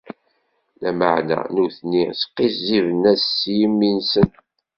Lameɛna, nutni sqizziben-as s yimi-nsen.